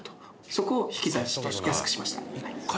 そこを引き算して安くしました。